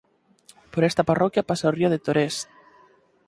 Por esta parroquia pasa o río de Torés.